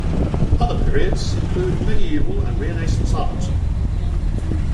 Other periods include medieval and Renaissance art.